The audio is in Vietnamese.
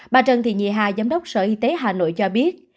bà trần thị nhì hà giám đốc sở y tế hà nội cho biết